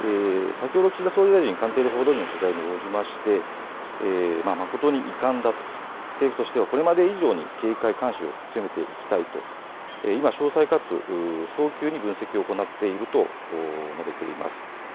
先ほど岸田総理大臣は誠に遺憾だと、政府としてはこれまで以上に警戒監視を強めていきたいと今、詳細かつ早急に分析を行っていると述べています。